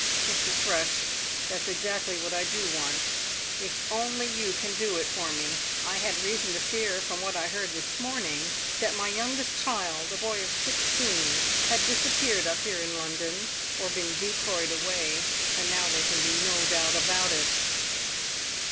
"Mr. Thrush, that's exactly what I do want, if only you can do it for me! I had reason to fear, from what I heard this morning, that my youngest child, a boy of sixteen, had disappeared up here in London, or been decoyed away. And now there can be no doubt about it!"